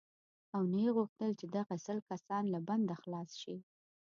او نه یې غوښتل چې دغه سل کسان له بنده خلاص شي.